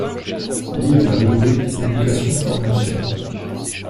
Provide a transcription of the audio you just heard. Lire la rubrique éducation-formation.